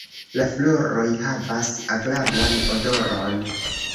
La floroj havas agrablan odoron.